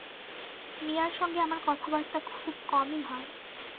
মিয়ার সঙ্গে আমার কথাবার্তা খুব কমই হয়।